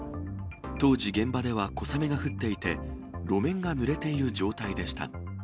当時、現場では小雨が降っていて、路面がぬれている状態でした。